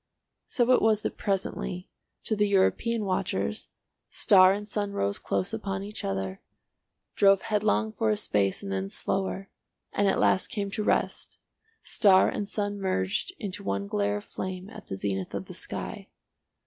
So it was that presently, to the European watchers, star and sun rose close upon each other, drove headlong for a space and then slower, and at last came to rest, star and sun merged into one glare of flame at the zenith of the sky.